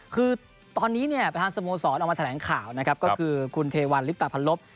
คือตอนนี้เนี่ยประธานสโมสรออกมาแถลงข่าวนะครับก็คือคุณเทวันลิปตะพันลบ